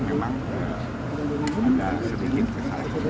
mengapa kita ciptakan